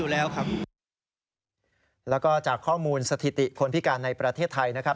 แล้วก็จากข้อมูลสถิติคนพิการในประเทศไทยนะครับ